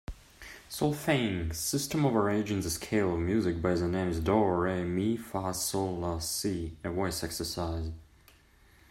Solfaing system of arranging the scale of music by the names do, re, mi, fa, sol, la, si a voice exercise.